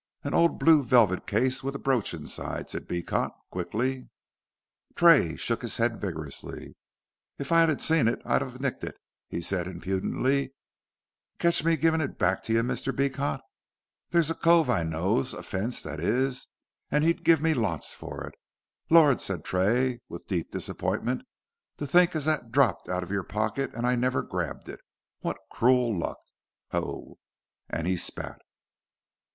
"An old blue velvet case with a brooch inside," said Beecot, quickly. Tray shook his head vigorously. "If I'd seen it I' ha' nicked it," he said impudently; "catch me givin' it back t' y', Mr. Beecot. There's a cove I knows a fence that is as 'ud give me lots fur it. Lor'," said Tray, with deep disappointment, "to think as that dropped out of your pocket and I never grabbed it. Wot crewel luck ho!" and he spat.